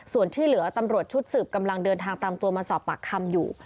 ส่วนที่เหลือตำรวจชุดสืบกำลังเดินทางตามตัวมาสอบปากคำอยู่